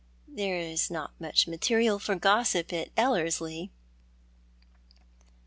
There is not much material for gossip at Ellerslie."